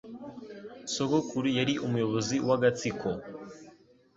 Sogokuru yari umuyobozi w'agatsiko